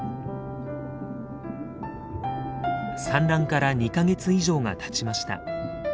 産卵から２か月以上がたちました。